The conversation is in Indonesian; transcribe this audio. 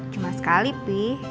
cuma sekali pi